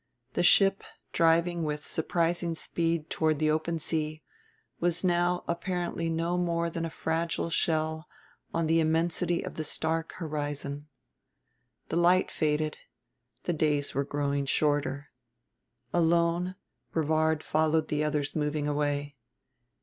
The ship, driving with surprising speed toward the open sea, was now apparently no more than a fragile shell on the immensity of the stark horizon. The light faded: the days were growing shorter. Alone Brevard followed the others moving away.